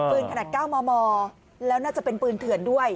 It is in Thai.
ขนาด๙มมแล้วน่าจะเป็นปืนเถื่อนด้วย